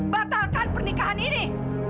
batalkan pernikahan ini